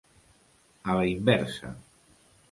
A la inversa.